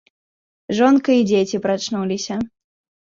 Жонка і дзеці прачнуліся.